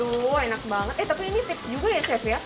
duh enak banget eh tapi ini tip juga ya chef ya